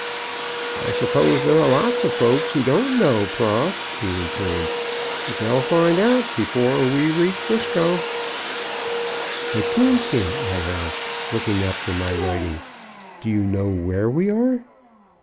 "I suppose there are lots of folks who don't know, Prof," he returned; "but they'll find out before we reach 'Frisco." "But Coonskin," I asked, looking up from my writing, "do you know where we are?"